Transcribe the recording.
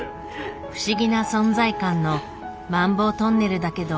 不思議な存在感のマンボウトンネルだけど。